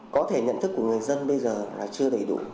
có thể nhận thức của người dân bây giờ là chưa đầy đủ